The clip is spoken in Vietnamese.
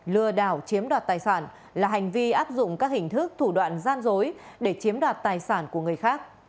lừa đảo chiếm đoạt tài sản là hành vi áp dụng các hình thức thủ đoạn gian dối để chiếm đoạt tài sản của người khác